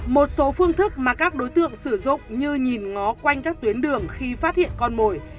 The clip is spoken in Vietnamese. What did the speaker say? một số phương thức mà các đối tượng sử dụng như nhìn ngó quanh các tuyến đường khi phát hiện con mồi